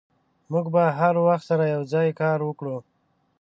موږ به هر وخت سره یوځای کار وکړو.